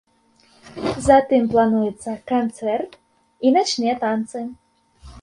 Затым плануецца канцэрт і начныя танцы.